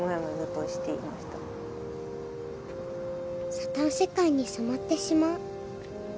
サタン世界に染まってしまう。